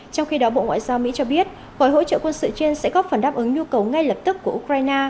trong khi đó bộ ngoại giao mỹ cho biết gói hỗ trợ quân sự trên sẽ góp phần đáp ứng nhu cầu ngay lập tức của ukraine